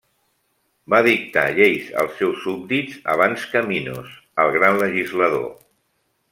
Va dictar lleis als seus súbdits abans que Minos, el gran legislador.